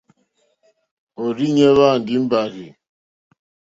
Òrzìɲɛ́ hwá àndè mbàrzì.